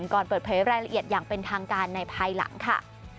ก่อนเปิดเผยรายละเอียดอย่างเป็นทางการในภายหลังค่ะ